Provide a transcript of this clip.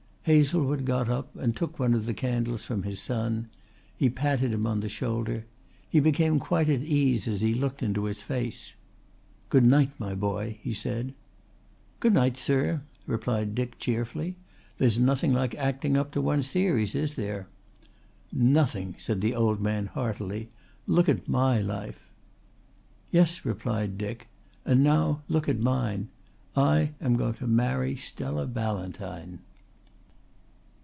Hazlewood got up and took one of the candles from his son. He patted him on the shoulder. He became quite at ease as he looked into his face. "Good night, my boy," he said. "Good night, sir," replied Dick cheerfully. "There's nothing like acting up to one's theories, is there?" "Nothing," said the old man heartily. "Look at my life!" "Yes," replied Dick. "And now look at mine. I am going to marry Stella Ballantyne."